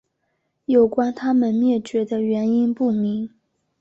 有关它们灭绝的原因不明。